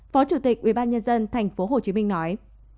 phó chủ tịch ubnd tp hcm nói